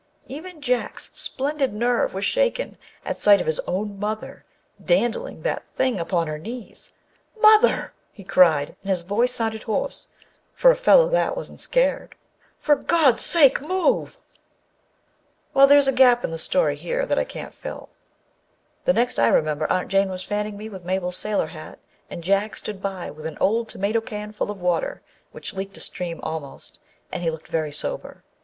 Even Jack's splendid nerve was shaken at sight of his own mother dandling that Thing upon her knees. " Mother !" he cried, and his voice sounded hoarse (for a fellow that wasn't scared), "for God's sake, move!" 128 Morning Well, there's a gap in the story here that I can't fill. The next I remember Aunt Jane was fanning me with Mabel's sailor hat, and Jack stood by with an old tomato can full of water which leaked a stream almost, and he looking very sober.